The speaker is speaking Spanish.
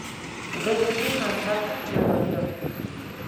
Reside en Manhattan, Nueva York.